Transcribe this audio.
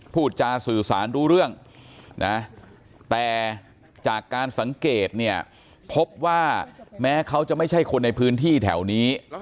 พูดจาสื่อสารรู้เรื่องนะแต่จากการสังเกตเนี่ยพบว่าแม้เขาจะไม่ใช่คนในพื้นที่แถวนี้